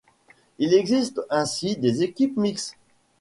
Il existe ainsi des équipes mixtes.